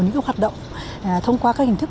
những cái hoạt động thông qua các hình thức